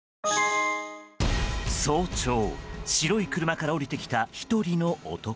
早朝、白い車から降りてきた１人の男。